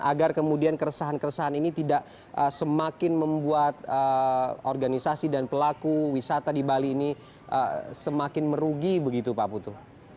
agar kemudian keresahan keresahan ini tidak semakin membuat organisasi dan pelaku wisata di bali ini semakin merugi begitu pak putu